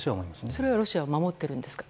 それはロシアは守ってるんですか？